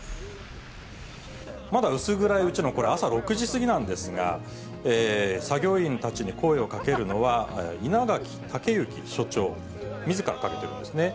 まだ薄暗いうちの、これ、朝６時過ぎなんですが、作業員たちに声をかけるのは、稲垣武之所長、みずからかけてるんですね。